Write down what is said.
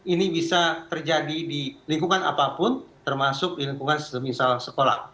ini bisa terjadi di lingkungan apapun termasuk di lingkungan sekolah